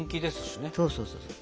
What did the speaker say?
そうそうそうそう。